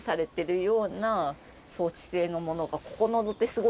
草地性のものが。